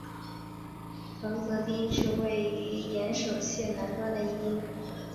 藤泽町是位于岩手县南端的一町。